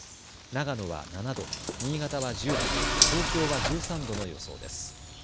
長野は７度、新潟は１０度、東京は１３度の予想です。